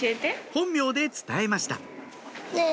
本名で伝えました